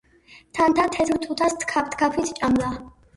.თამთა თეთრ თუთას თქაფთქაფით ჭამდა